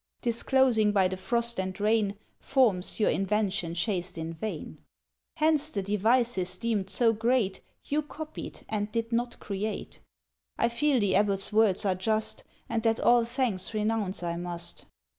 — "'Disclosing by the frost and rain Forms your invention chased in vain; "'Hence the devices deemed so great You copied, and did not create.' "I feel the abbot's words are just, And that all thanks renounce I must.